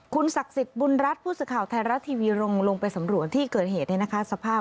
คุณศักดิ์สิทธิ์บุญรัฐผู้สื่อข่าวไทยรัฐทีวีลงไปสำรวจที่เกิดเหตุเนี่ยนะคะสภาพ